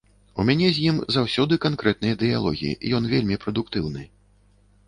У мяне з ім заўсёды канкрэтныя дыялогі, ён вельмі прадуктыўны.